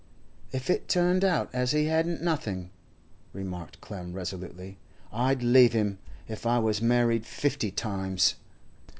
'If it turned out as he hadn't nothing,' remarked Clem resolutely, 'I'd leave him, if I was married fifty times.